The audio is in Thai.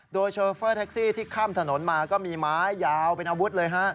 โดยโชเฟอร์แท็กซี่ที่ข้ามถนนมาก็มีไม้ยาวเป็นอาวุธเลยฮะ